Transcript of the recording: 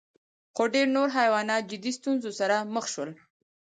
خو ډېر نور حیوانات جدي ستونزو سره مخ شول.